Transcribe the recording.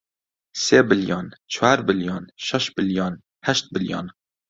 سێ بلیۆن، چوار بلیۆن، شەش بلیۆن، هەشت بلیۆن